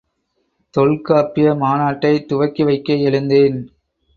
தொல்காப்பிய மாநாட்டை துவக்கி வைக்க எழுந்தேன்.